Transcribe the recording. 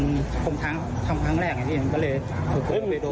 ผมทำครั้งแรกมันก็เลยตื่นโทนไปโดน